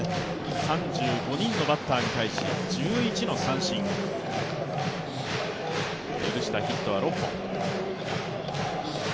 ３５人のバッターに対し、１１の三振、許したヒットは６本。